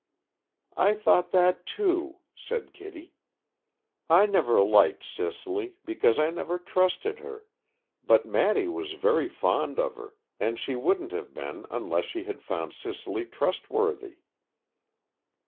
"I thought that, too," said Kitty. "I never liked Cicely, because I never trusted her. But Maddy was very fond of her, and she wouldn't have been, unless she had found Cicely trustworthy."